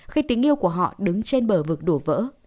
khi tình yêu của họ đứng trên bờ vực đổ vỡ